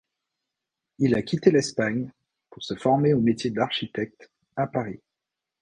Il a quitté l'Espagne pour se former au métier d'architecte à Paris.